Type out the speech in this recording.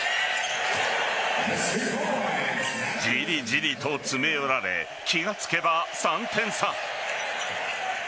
ジリジリと詰め寄られ気が付けば、３点差。